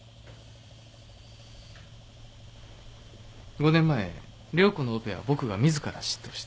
５年前良子のオペは僕が自ら執刀した。